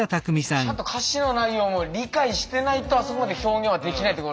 ちゃんと歌詞の内容も理解してないとあそこまで表現はできないってことですもんね。